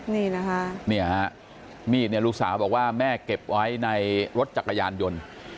นี่ไหมคะมีดรุษสาวบอกว่าแม่เก็บไว้ในรถจักรยานยนต์